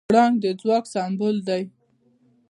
پړانګ د ځواک سمبول دی.